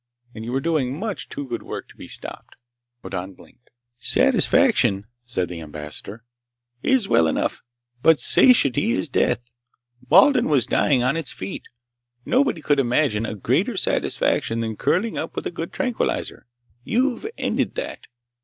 And you were doing much too good work to be stopped!" Hoddan blinked. "Satisfaction," said the Ambassador, "is well enough. But satiety is death. Walden was dying on its feet. Nobody could imagine a greater satisfaction than curling up with a good tranquilizer! You've ended that!